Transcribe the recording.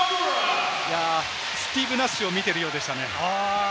スティーブ・ナッシュを見てるようでしたね。